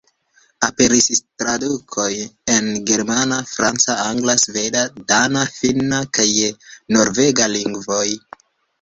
Aperis tradukoj en germana, franca, angla, sveda, dana, finna kaj norvega lingvoj.